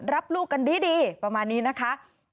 รับลูกกันดีประมาณนี้นะคะ